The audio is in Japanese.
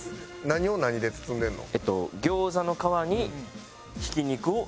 何を何で包んでるの？